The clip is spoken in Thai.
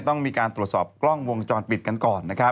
ต้องมีการตรวจสอบกล้องวงจรปิดกันก่อนนะครับ